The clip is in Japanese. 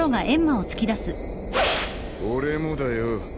俺もだよ。